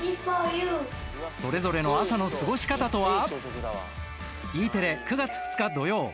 それぞれの朝の過ごし方とは？